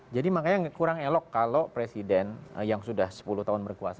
jadi makanya kurang elok kalau presiden yang sudah sepuluh tahun berkuasa